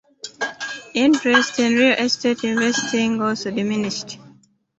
Interest in real estate investing also diminished.